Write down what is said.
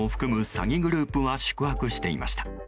詐欺グループは宿泊していました。